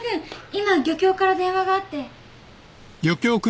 今漁協から電話があって。